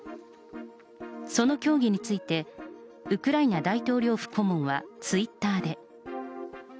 その協議についてウクライナ大統領府顧問はツイッターで。